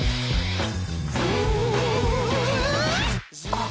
あっ